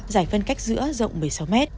giải phân cách giữa rộng một mươi sáu m